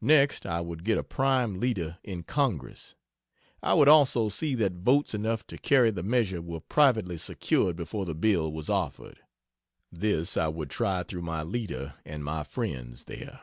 Next I would get a prime leader in Congress: I would also see that votes enough to carry the measure were privately secured before the bill was offered. This I would try through my leader and my friends there.